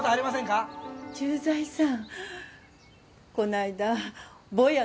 あ駐在さん。